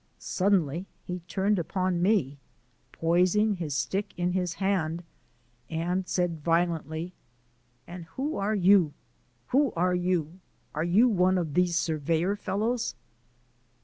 Suddenly he turned upon me, poising his stick in his hand, and said violently. "And who are you? Who are you? Are you one of these surveyor fellows?"